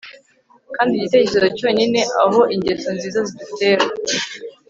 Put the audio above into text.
kandi igitekerezo cyonyine aho ingeso nziza zidutera